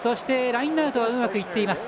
ラインアウトはうまくいっています。